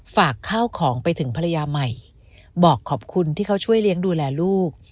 ฝากข้าวของไปถึงภรรยาใหม่บอกขอบคุณที่เขาช่วยเลี้ยงดูแลลูก